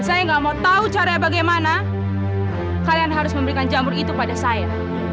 saya nggak mau tahu caranya bagaimana kalian harus memberikan jamur itu pada saya